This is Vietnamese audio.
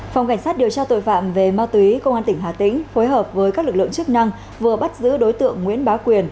phòng cảnh sát điều tra tội phạm về ma túy công an tỉnh hà tĩnh phối hợp với các lực lượng chức năng vừa bắt giữ đối tượng nguyễn bá quyền